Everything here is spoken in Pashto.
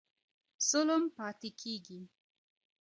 ظلم پاتی کیږي؟